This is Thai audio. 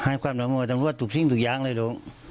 ให้ความร่วมมือกับตำรวจถูกทิ้งถูกย้างเลยลูก